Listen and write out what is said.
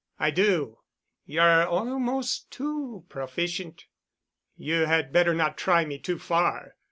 "I do." "You're almost too proficient." "You had better not try me too far."